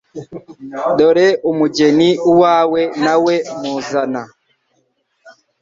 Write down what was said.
Dore mugeri uwawe nawe muzana